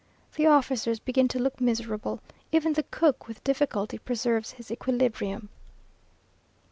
The officers begin to look miserable; even the cook with difficulty preserves his equilibrium.